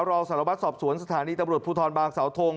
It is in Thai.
รองสารวัตรสอบสวนสถานีตำรวจภูทรบางสาวทง